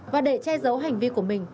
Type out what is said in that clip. và để che giấu hành vi của mình